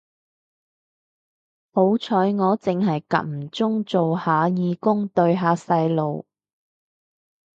好彩我剩係間唔中做義工對下細路